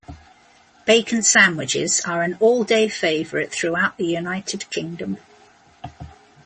Bacon sandwiches are an all-day favourite throughout the United Kingdom.